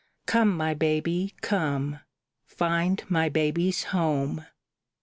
Come, my baby, come! Find my baby's home!"